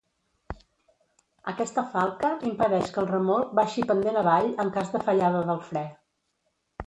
Aquesta falca impedeix que el remolc baixi pendent avall en cas de fallada del fre.